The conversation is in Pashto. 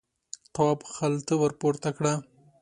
تواب خلته ور پورته کړه.